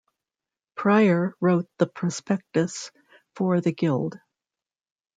Prior wrote the prospectus for the Guild.